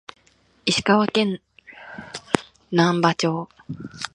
石川県内灘町